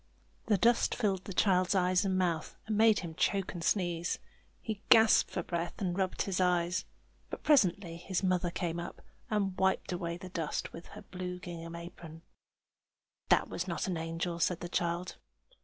The dust filled the child's eyes and mouth, and made him choke and sneeze. He gasped for breath, and rubbed his eyes; but presently his mother came up, and wiped away the dust with her blue gingham apron. "That was not an angel!" said the child.